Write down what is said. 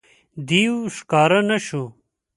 دېو ښکاره نه شو.